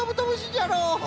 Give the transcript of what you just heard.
じゃろう。